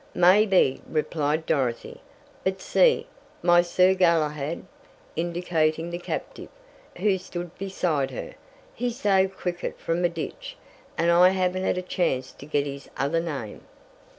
"Maybe," replied Dorothy. "But see, my Sir Galahad," indicating the captive, who stood beside her. "He saved Cricket from a ditch, and I haven't had a chance to get his other name."